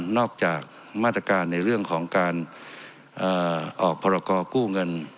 จากมาตรการในเรื่องของการออกพรกรกู้เงิน